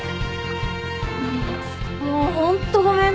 もうホントごめんね。